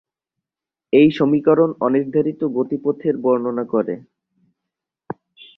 এই সমীকরণ অনির্ধারিত গতিপথের বর্ণনা করে।